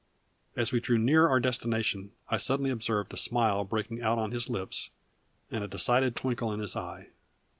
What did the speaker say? As we drew near our destination I suddenly observed a smile breaking out on his lips, and a decided twinkle in his eye.